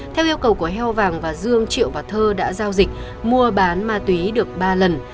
theo yêu cầu của heo vàng và dương triệu và thơ đã giao dịch mua bán ma túy được ba lần